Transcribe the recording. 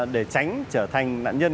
để tránh trở thành nạn nhân